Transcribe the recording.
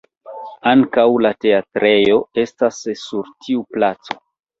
Ankaŭ la teatrejo estas sur tiu placo.